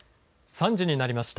３時になりました。